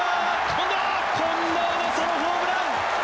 近藤のソロホームラン！